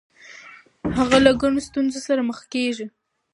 هغه له ګڼو ستونزو سره مخ کیږي.